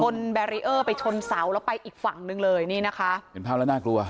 แบรีเออร์ไปชนเสาแล้วไปอีกฝั่งนึงเลยนี่นะคะเห็นภาพแล้วน่ากลัว